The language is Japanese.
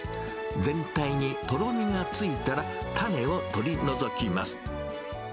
全体にとろみがついたら、種を取り除きます。